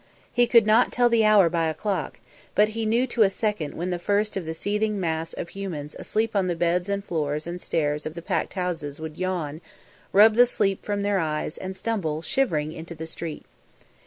He could not tell the hour by a clock, but he knew to a second when the first of the seething mass of humans asleep on the beds and floors and stairs of the packed houses would yawn, rub the sleep from their eyes and stumble, shivering, into the street.